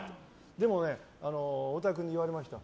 でもね、太田君に言われました。